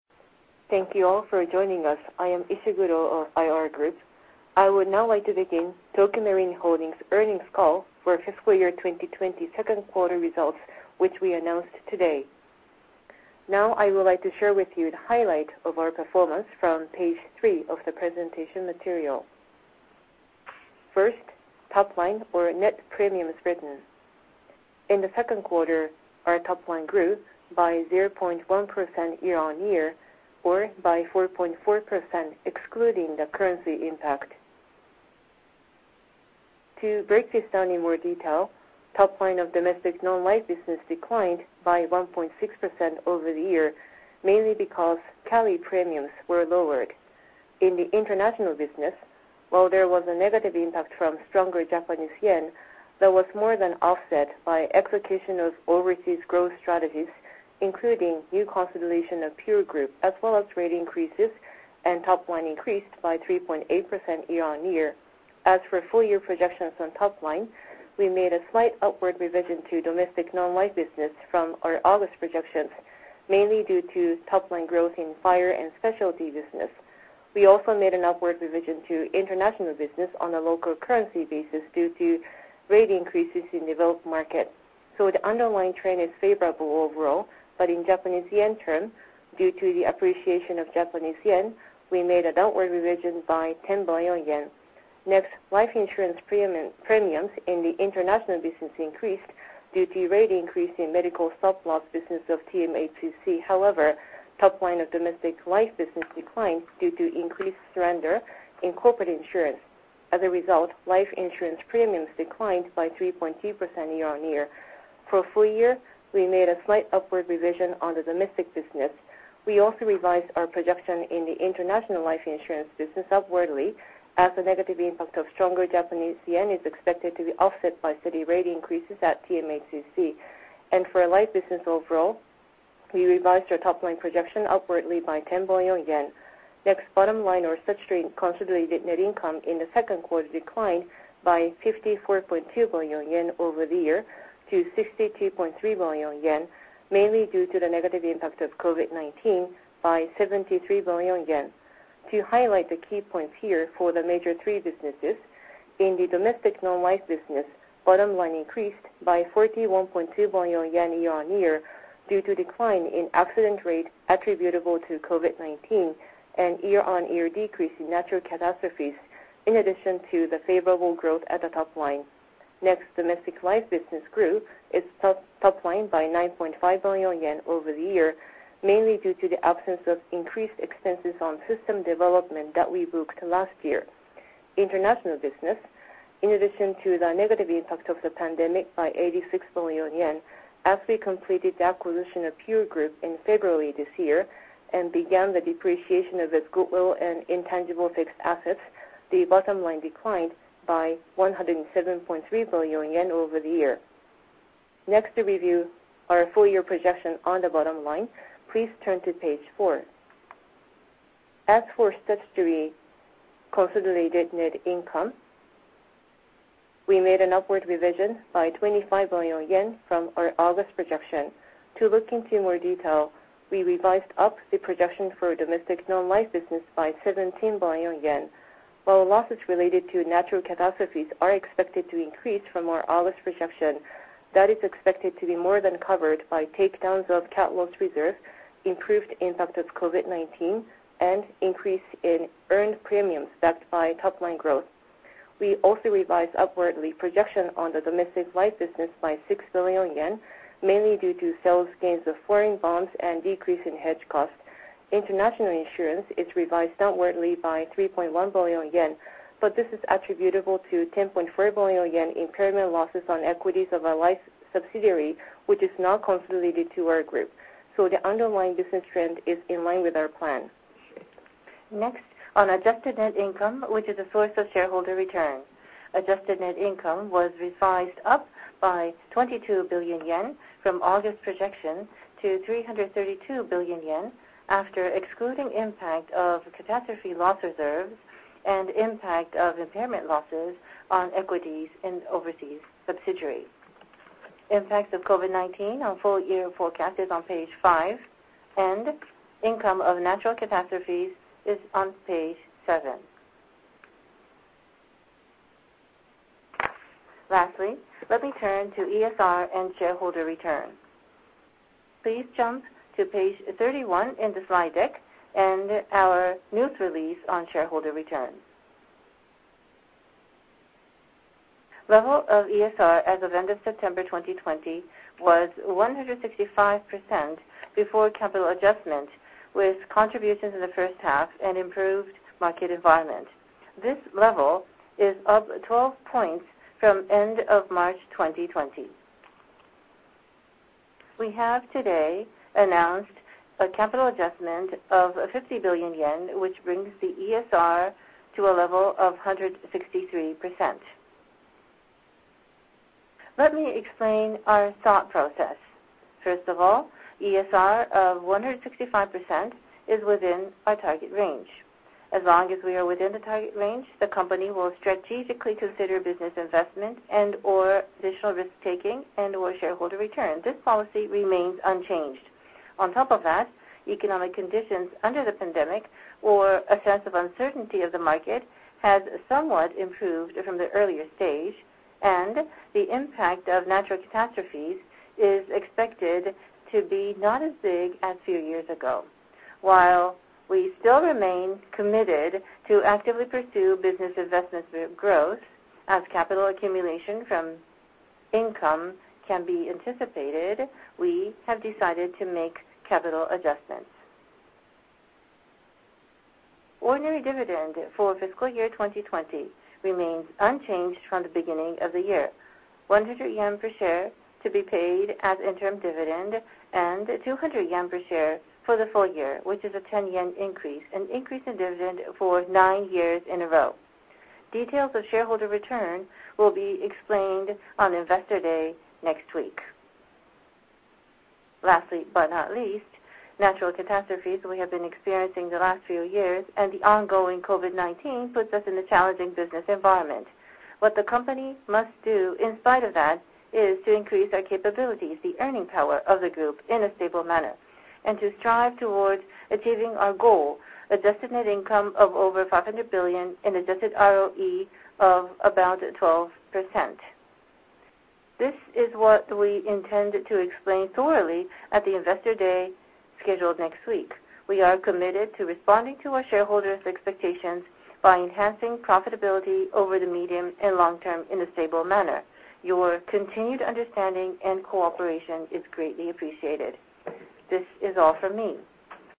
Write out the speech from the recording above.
Thank you all for joining us. I am Ishiguro of IR Group. I would now like to begin Tokio Marine Holdings earnings call for fiscal year 2020 second quarter results, which we announced today. I would like to share with you the highlight of our performance from page three of the presentation material. First, top line or net premiums written. In the second quarter, our top line grew by 0.1% year-on-year or by 4.4% excluding the currency impact. To break this down in more detail, top line of domestic non-life business declined by 1.6% over the year, mainly because CALI premiums were lowered. In the international business, while there was a negative impact from stronger Japanese yen, that was more than offset by execution of overseas growth strategies, including new consolidation of Pure Group, as well as rate increases, top line increased by 3.8% year-on-year. As for full year projections on top line, we made a slight upward revision to domestic non-life business from our August projections, mainly due to top line growth in fire and specialty business. We also made an upward revision to international business on a local currency basis due to rate increases in developed markets. The underlying trend is favorable overall, but in Japanese yen terms, due to the appreciation of Japanese yen, we made a downward revision by 10 billion yen. Life insurance premiums in the international business increased due to rate increase in medical supplement business of TMHCC. However, top line of domestic life business declined due to increased surrender in corporate insurance. As a result, life insurance premiums declined by 3.2% year-on-year. For full year, we made a slight upward revision on the domestic business. We also revised our projection in the international life insurance business upwardly as the negative impact of stronger Japanese yen is expected to be offset by steady rate increases at TMHCC. For life business overall, we revised our top line projection upwardly by 10 billion yen. Bottom line or statutory consolidated net income in the second quarter declined by 54.2 billion yen over the year to 62.3 billion yen, mainly due to the negative impact of COVID-19 by 73 billion yen. To highlight the key points here for the major three businesses, in the domestic non-life business, bottom line increased by 41.2 billion yen year-on-year due to decline in accident rate attributable to COVID-19 and year-on-year decrease in natural catastrophes, in addition to the favorable growth at the top line. Domestic life business grew its top line by 9.5 billion yen over the year, mainly due to the absence of increased expenses on system development that we booked last year. International business, in addition to the negative impact of the pandemic by 86 billion yen, as we completed the acquisition of Pure Group in February this year and began the depreciation of its goodwill and intangible fixed assets, the bottom line declined by 107.3 billion yen over the year. To review our full-year projection on the bottom line, please turn to page four. As for statutory consolidated net income, we made an upward revision by 25 billion yen from our August projection. To look into more detail, we revised up the projection for domestic non-life business by 17 billion yen. While losses related to natural catastrophes are expected to increase from our August projection, that is expected to be more than covered by takedowns of cat loss reserve, improved impact of COVID-19, and increase in earned premiums backed by top line growth. We also revised upwardly projection on the domestic life business by 6 billion yen, mainly due to sales gains of foreign bonds and decrease in hedge cost. International insurance is revised downwardly by 3.1 billion yen, but this is attributable to 10.4 billion yen impairment losses on equities of our life subsidiary, which is now consolidated to our group. The underlying business trend is in line with our plan. Next, on adjusted net income, which is a source of shareholder return. Adjusted net income was revised up by 22 billion yen from August projection to 332 billion yen after excluding impact of catastrophe loss reserves and impact of impairment losses on equities in overseas subsidiaries. Impact of COVID-19 on full year forecast is on page five. Income of natural catastrophes is on page seven. Lastly, let me turn to ESR and shareholder return. Please jump to page 31 in the slide deck and our news release on shareholder return. Level of ESR as of end of September 2020 was 165% before capital adjustment, with contributions in the first half and improved market environment. This level is up 12 points from end of March 2020. We have today announced a capital adjustment of 50 billion yen, which brings the ESR to a level of 163%. Let me explain our thought process. First of all, ESR of 165% is within our target range. As long as we are within the target range, the company will strategically consider business investment and/or additional risk-taking and/or shareholder return. This policy remains unchanged. On top of that, economic conditions under the pandemic or a sense of uncertainty of the market has somewhat improved from the earlier stage, and the impact of natural catastrophes is expected to be not as big as few years ago. While we still remain committed to actively pursue business investments through growth as capital accumulation from income can be anticipated, we have decided to make capital adjustments. Ordinary dividend for fiscal year 2020 remains unchanged from the beginning of the year. 100 yen per share to be paid as interim dividend and 200 yen per share for the full year, which is a 10 yen increase, an increase in dividend for nine years in a row. Details of shareholder return will be explained on Investor Day next week. Lastly but not least, natural catastrophes we have been experiencing the last few years and the ongoing COVID-19 puts us in a challenging business environment. What the company must do in spite of that is to increase our capabilities, the earning power of the group in a stable manner, and to strive towards achieving our goal, adjusted net income of over 500 billion and adjusted ROE of about 12%. This is what we intend to explain thoroughly at the Investor Day scheduled next week. We are committed to responding to our shareholders' expectations by enhancing profitability over the medium and long term in a stable manner. Your continued understanding and cooperation is greatly appreciated. This is all from me.